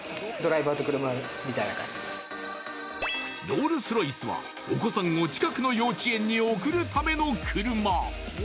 ［ロールス・ロイスはお子さんを近くの幼稚園に送るための車］